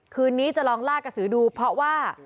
คืนนี้จะลองลากกระสือดูเพราะว่า